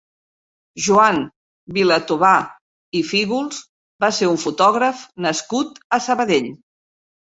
Joan Vilatobà i Fígols va ser un fotògraf nascut a Sabadell.